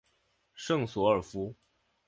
圣索尔夫。